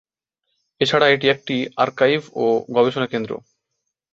এছাড়া এটি একটি আর্কাইভ ও গবেষণা কেন্দ্র।